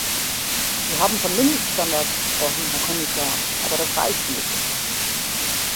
Sie haben von Mindeststandards gesprochen, Herr Kommissar, aber das reicht nicht.